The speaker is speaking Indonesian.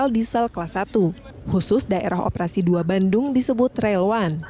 kereta rel diesel kelas satu khusus daerah operasi dua bandung disebut rel satu